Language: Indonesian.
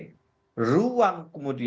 langsung tidak ada upaya yang lebih